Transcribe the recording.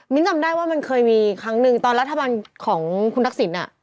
จำได้ว่ามันเคยมีครั้งหนึ่งตอนรัฐบาลของคุณทักษิณ